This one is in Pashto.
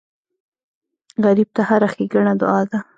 غریب ته هره ښېګڼه دعا ده